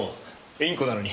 インコなのに。